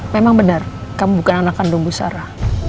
memang benar kamu bukan anak kandung busara